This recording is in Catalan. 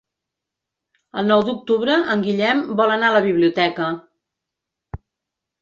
El nou d'octubre en Guillem vol anar a la biblioteca.